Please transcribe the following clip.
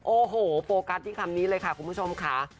โอ้โหโฟกัสที่คำนี้เลยค่ะคุณผู้ชมค่ะ